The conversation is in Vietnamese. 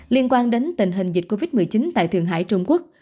liên quan đến tình hình dịch covid một mươi chín tại thượng hải trung quốc